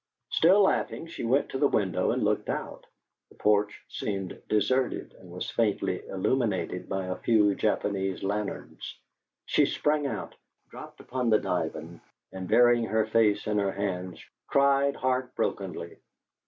Still laughing, she went to the window and looked out; the porch seemed deserted and was faintly illuminated by a few Japanese lanterns. She sprang out, dropped upon the divan, and burying her face in her hands, cried heart brokenly.